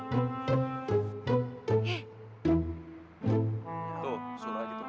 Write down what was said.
tuh suara gitu suar mana